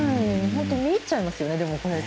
本当に見入っちゃいますよね。